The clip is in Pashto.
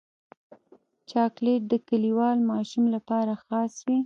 چاکلېټ د کلیوال ماشوم لپاره خاص وي.